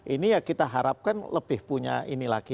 ini ya kita harapkan lebih punya ini lagi